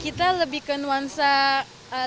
kita lebih ke nuansa dari negara indonesia